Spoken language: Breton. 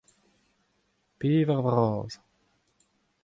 Pevar vras.